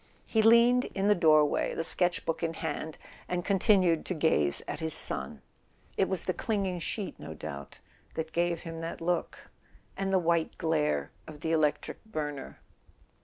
He leaned in the doorway, the sketch book in hand, and continued to gaze at his son. It was the clinging sheet, no doubt, that gave him that look ... and the white glare of the electric burner.